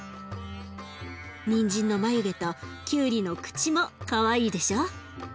にんじんの眉毛ときゅうりの口もかわいいでしょ？